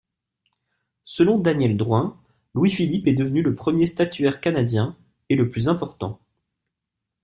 Selon Daniel Drouin, Louis-Philippe est devenu le premier statuaire canadien, et le plus important.